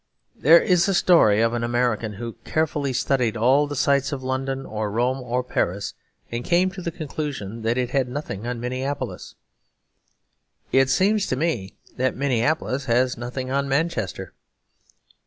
There is a story of an American who carefully studied all the sights of London or Rome or Paris, and came to the conclusion that 'it had nothing on Minneapolis.' It seems to me that Minneapolis has nothing on Manchester.